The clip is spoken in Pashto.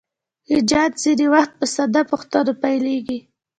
ایجاد ځینې وخت په ساده پوښتنو پیلیږي.